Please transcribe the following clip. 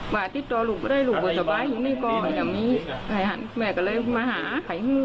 ไปที่สพเมืองนาน